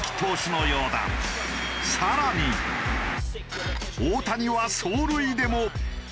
更に大谷は走塁でも。